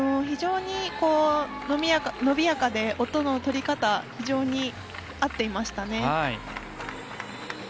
非常に伸びやかで音の取り方非常に合っていましたね。